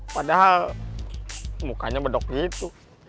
padahal mukanya bedok gitu